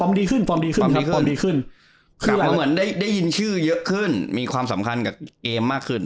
รีบขอบคุณครับได้ยินชื่อเขาเยอะขึ้นมีความสำคัญกับเกมมากขึ้น